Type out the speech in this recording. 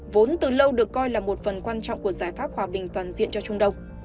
vốn từ lâu được coi là một phần quan trọng của giải pháp hòa bình toàn diện cho trung đông